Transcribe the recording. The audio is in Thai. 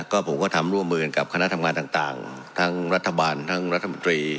ก็ผมก็ทำร่วมมือกันกับคณะทำงานต่างทั้งรัฐบาลทั้งรัฐมนตรี